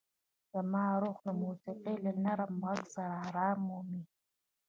زما روح د موسیقۍ له نرم غږ سره ارام مومي.